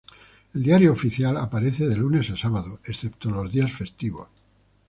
El "Diario Oficial" aparece de lunes a sábado, excepto los días festivos.